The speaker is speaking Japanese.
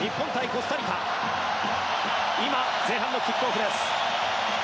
今、前半のキックオフです。